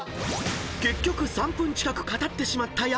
［結局３分近く語ってしまった薮］